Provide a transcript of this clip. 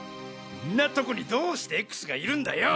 ンなとこにどうしてＸがいるんだよ！